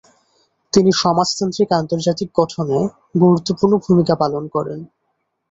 তিনি সমাজতান্ত্রিক আন্তর্জাতিক গঠনে গুরুত্বপূর্ণ ভূমিকা পালন করেন।